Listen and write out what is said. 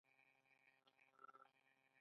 سپما کول د اقتصاد برخه ده